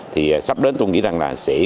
thì sắp đến tôi nghĩ rằng là sẽ